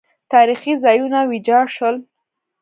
تاریخي ځایونه ویجاړ شول